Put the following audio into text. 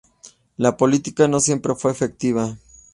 La política no siempre fue efectiva.